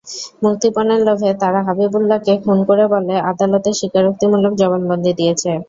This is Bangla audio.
মুক্তিপণের লোভে তারা হাবিবুল্লাহকে খুন করে বলে আদালতে স্বীকারোক্তিমূলক জবানবন্দি দিয়েছে।